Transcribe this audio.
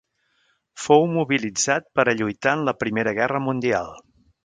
Fou mobilitzat per a lluitar en la Primera Guerra Mundial.